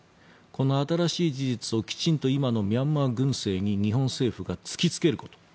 この新しい事実をきちんと今のミャンマー軍政に日本政府が突きつけること。